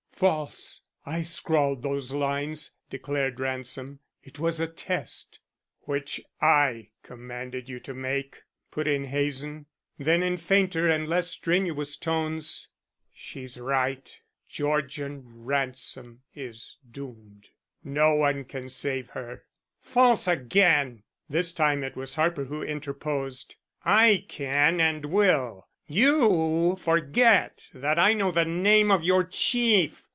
"False. I scrawled those lines," declared Ransom. "It was a test " "Which I commanded you to make," put in Hazen. Then in fainter and less strenuous tones, "She's right. Georgian Ransom is doomed; no one can save her." "False again!" This time it was Harper who interposed. "I can and will. You forget that I know the name of your Chief.